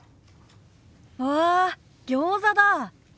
わあギョーザだ。